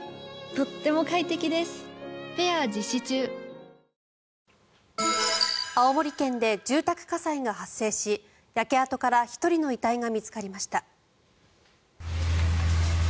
東京海上日動青森県で住宅火災が発生し焼け跡から１人の遺体が見つかりました。